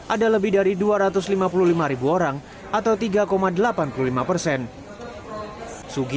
ada lebih dari dua ratus lima puluh lima ribu orang